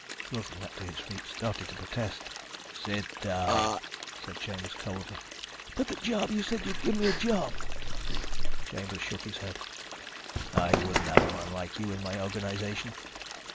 Wilson leaped to his feet, started to protest. "Sit down," said Chambers coldly. "But the job! You said you'd give me a job!" Chambers shook his head. "I wouldn't have a man like you in my organization.